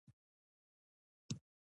ژر تر ژره دا خبره همدلته غوڅه کړئ